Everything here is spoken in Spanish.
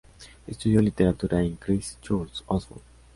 Estudió literatura en Christ Church, Oxford.